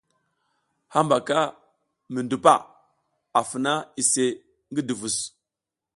Hambaka mi ndupa a funa iseʼe ngi duvus.